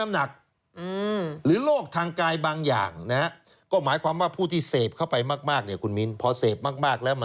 มันเป็นตัวกระตุ้นใช่ไหมคะ